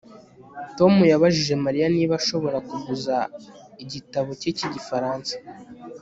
Tom yabajije Mariya niba ashobora kuguza igitabo cye cyigifaransa